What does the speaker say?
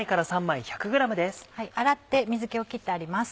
洗って水気を切ってあります。